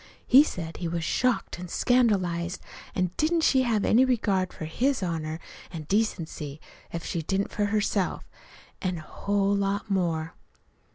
He said he was shocked an' scandalized, an' didn't she have any regard for his honor an' decency, if she didn't for herself! An', oh, a whole lot more.